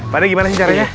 pak d gimana sih caranya